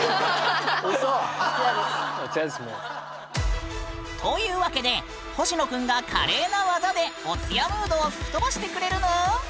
うそ！というわけでほしのくんが華麗な技でお通夜ムードを吹き飛ばしてくれるぬん！